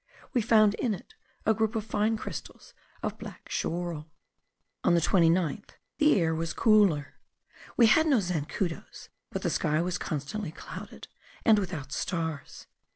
We found in it a group of fine crystals of black schorl. On the 29th, the air was cooler. We had no zancudos, but the sky was constantly clouded, and without stars.